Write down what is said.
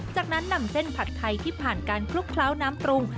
จากนั้นนำเส้นผัดไทยที่ผ่านการคลุกเคล้าน้ำปรุง